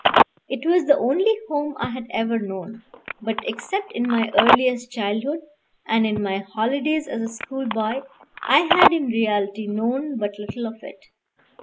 It was the only home I had ever known; but except in my earliest childhood, and in my holidays as a schoolboy, I had in reality known but little of it.